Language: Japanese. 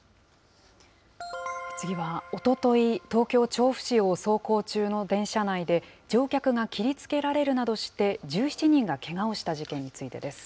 次はおととい、東京・調布市を走行中の電車内で、乗客が切りつけられるなどして、１７人がけがをした事件についてです。